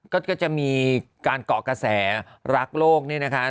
ก็จะมีการเกาะกระแสรักโลกนี่นะคะ